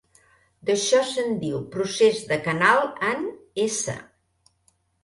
D'això se'n diu procés de canal en s.